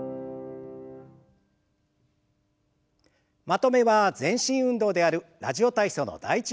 まとめは全身運動である「ラジオ体操」の「第１」を行います。